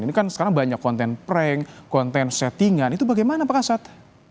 ini kan sekarang banyak konten prank konten settingan itu bagaimana pak kasat